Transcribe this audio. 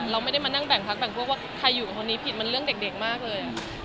เราไม่ได้มานั่งแบ่งพักแบ่งพวกว่าใครอยู่กับคนนี้ผิดมันเรื่องเด็กมากเลย